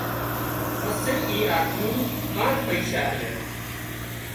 پسي اي آۮميئي ڪانڪ پئيشا آليا